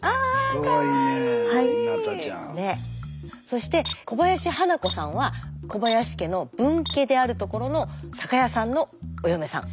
そして小林花子さんは小林家の分家であるところの酒屋さんのお嫁さん。